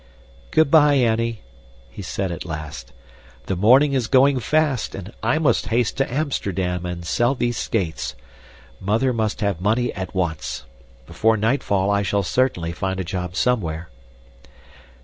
"Good bye, Annie!" he said at last. "The morning is going fast, and I must haste to Amsterdam and sell these skates. Mother must have money at once. Before nightfall I shall certainly find a job somewhere."